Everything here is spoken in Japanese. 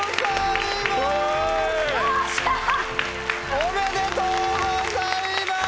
おめでとうございます！